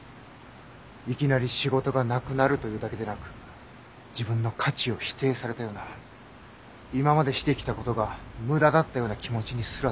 いきなり仕事がなくなるというだけでなく自分の価値を否定されたような今までしてきたことが無駄だったような気持ちにすらなる。